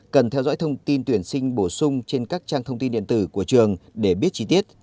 cần theo dõi thông tin tuyển sinh bổ sung trên các trang thông tin điện tử của trường để biết chi tiết